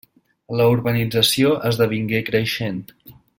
La urbanització esdevingué creixent.